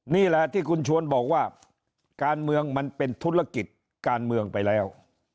นี่แหละที่คุณชวนบอกว่าการเมืองมันเป็นธุรกิจการเมืองไปแล้ว